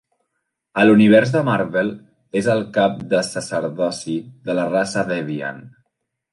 A l'Univers de Marvel, és el cap del sacerdoci de la raça Deviant.